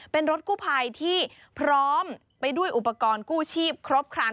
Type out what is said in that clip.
เป็นรถกู้ภัยที่พร้อมไปด้วยอุปกรณ์กู้ชีพครบครัน